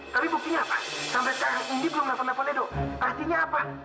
tapi buktinya apa sampai sekarang indi belum nelfon nelfon edo artinya apa